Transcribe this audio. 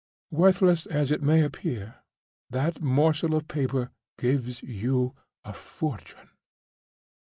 Worthless as it may appear, that morsel of paper gives you a fortune."